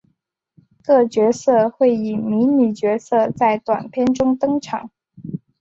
各角色会以迷你角色在短篇中登场。